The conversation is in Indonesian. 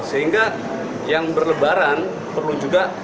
sehingga yang berlebaran perlu juga